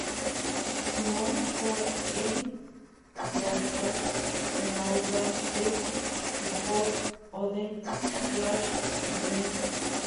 Simon actuó en Broadway en la obra de Clifford Odets "Clash by Night".